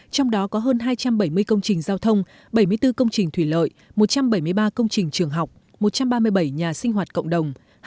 trong đó có hơn hai trăm bảy mươi công trình giao thông bảy mươi bốn công trình thủy lợi một trăm bảy mươi ba công trình trường học một trăm ba mươi bảy nhà sinh hoạt cộng đồng